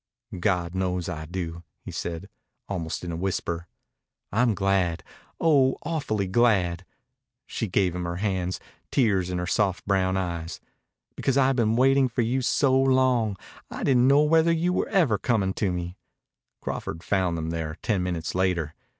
"God knows I do," he said, almost in a whisper. "I'm glad oh, awf'ly glad." She gave him her hands, tears in her soft brown eyes. "Because I've been waiting for you so long. I didn't know whether you ever were coming to me." Crawford found them there ten minutes later.